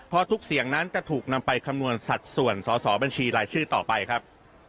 เพราะทุกเสียงนั้นจะถูกนำไปคำนวณสัดส่วนสอสอบัญชีรายชื่อต่อไปครับ